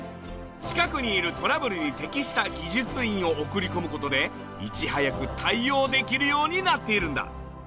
近くにいるトラブルに適した技術員を送り込む事でいち早く対応できるようになっているんだ。